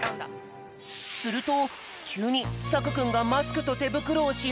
するときゅうにさくくんがマスクとてぶくろをしはじめたよ。